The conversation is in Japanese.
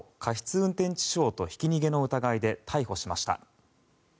運転致傷とひき逃げの疑いで逮捕しました。